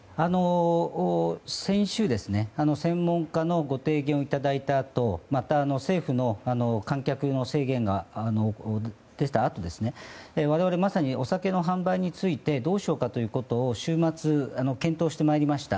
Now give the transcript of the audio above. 先週、専門家のご提言をいただいたあと政府の観客の制限が出たあと我々、まさにお酒の販売についてどうしようかということを週末、検討してまいりました。